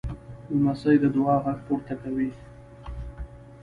لمسی د دعا غږ پورته کوي.